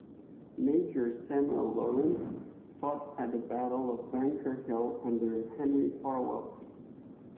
Major Samuel Lawrence fought at the Battle of Bunker Hill under Henry Farwell.